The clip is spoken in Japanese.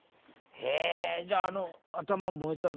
えじゃああの頭燃えたのも。